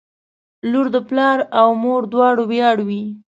• لور د پلار او مور دواړو ویاړ وي.